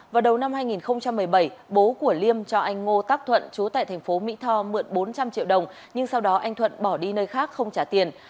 vào đầu năm hai nghìn một mươi bảy bố của liêm cho anh ngô tác thuận chú tại thành phố mỹ tho mượn bốn trăm linh triệu đồng nhưng sau đó anh thuận bỏ đi nơi khác không trả tiền